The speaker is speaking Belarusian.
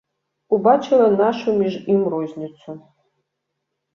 Убачыла нашу між ім розніцу.